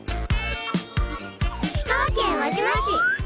石川県輪島市。